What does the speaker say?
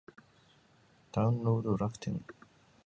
ダウンロード楽天